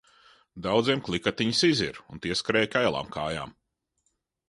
Daudziem klikatiņas izira un tie skrēja kailām kājām.